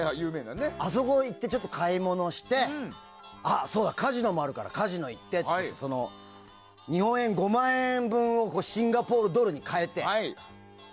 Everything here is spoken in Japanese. あそこに行って買い物をしてそうだ、カジノもあるからカジノも行こうってなって日本円５万円分をシンガポールドルに換えて。